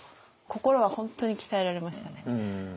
心は本当に鍛えられましたね。